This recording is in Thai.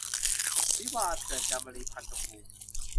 วิวาห์เถื่อน - จามรี พรรณชมพู